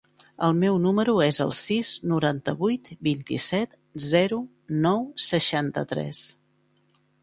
El meu número es el sis, noranta-vuit, vint-i-set, zero, nou, seixanta-tres.